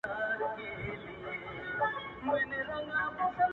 • هم څښتن وو د پسونو هم د غواوو -